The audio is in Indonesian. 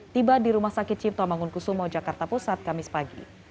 tiba di rumah sakit cipta mangun kesumo jakarta pusat kamis pagi